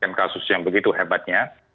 dan kasus yang begitu hebatnya